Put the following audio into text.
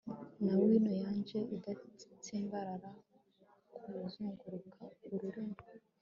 na wino yanjye idatsimbarara, kuzunguruka ururimi